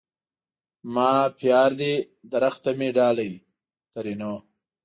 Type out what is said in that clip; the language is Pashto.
ما پيار دي درخته مي ډالی؛ ترينو